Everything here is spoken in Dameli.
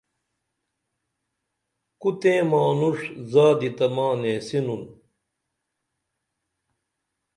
کو تیں مانوݜ زادی تہ ما نیسِنُن